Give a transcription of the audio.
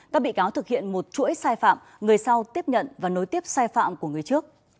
các bị cáo thực hiện một chuỗi sai phạm người sau tiếp nhận và nối tiếp sai phạm của người trước